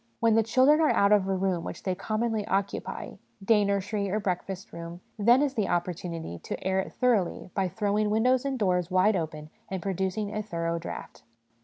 When the chil dren are out of a room which they commonly occupy, day nursery or breakfast room, then is the opportunity to air it thoroughly by throwing windows and doors wide open and producing a thorough draught.